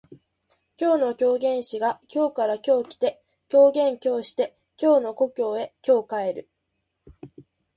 今日の狂言師が京から今日来て狂言今日して京の故郷へ今日帰る